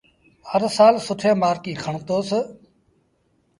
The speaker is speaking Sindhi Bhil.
هر سآل سُٺين مآرڪيٚن کڻتوس